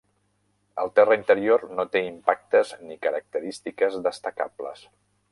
El terra interior no té impactes ni característiques destacables.